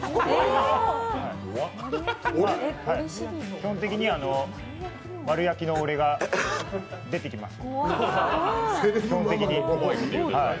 基本的に、丸焼きの俺が出てきます。